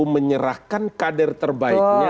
menyerahkan kader terbaiknya